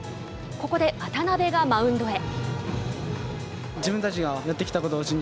ここで渡辺がマウンドへ。